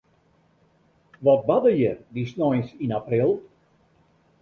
Wat barde hjir dy sneins yn april?